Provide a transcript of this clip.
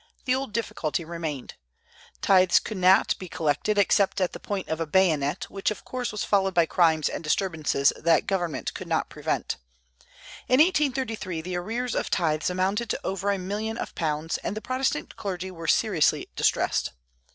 The old difficulty remained. Tithes could not be collected except at the point of the bayonet, which of course was followed by crimes and disturbances that government could not prevent. In 1833 the arrears of tithes amounted to over a million of pounds, and the Protestant clergy were seriously distressed.